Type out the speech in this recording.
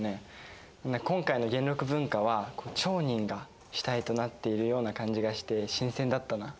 今回の元禄文化は町人が主体となっているような感じがして新鮮だったな。